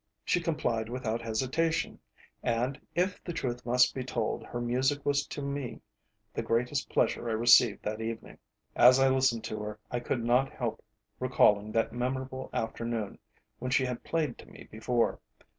She complied without hesitation, and, if the truth must be told, her music was to me the greatest pleasure I received that evening. As I listened to her, I could not help recalling that memorable afternoon when she had played to me before.